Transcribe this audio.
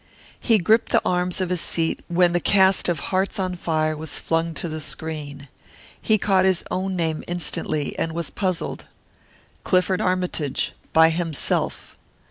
He gripped the arms of his seat when the cast of Hearts on Fire was flung to the screen. He caught his own name instantly, and was puzzled. "Clifford Armytage By Himself."